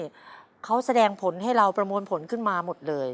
นี่เขาแสดงผลให้เราประมวลผลขึ้นมาหมดเลย